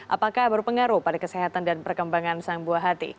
apakah berpengaruh pada kesehatan dan perkembangan sang buah hati